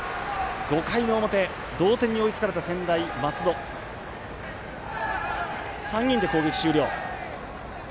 ５回の表、同点に追いつかれた専大松戸、３人で攻撃終了。